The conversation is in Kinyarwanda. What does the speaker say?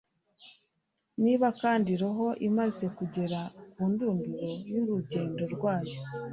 niba kandi roho, imaze kugera ku ndunduro y'urugendo rwayo